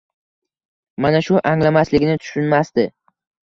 Mana shu anglamasligini tushunmasdi.